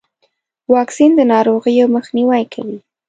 واکسین د ناروغیو مخنیوی کوي.